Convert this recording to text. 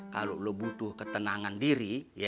kalau lo butuh ketenangan diri